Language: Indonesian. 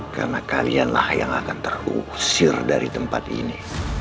karena kalian lah yang akan terusir dari tempat ini